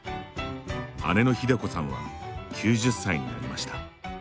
姉のひで子さんは９０歳になりました。